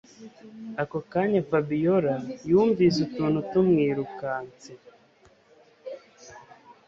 Ako kanya Fabiora yumvise utuntu tumwirukanse